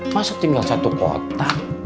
masa tinggal satu kotak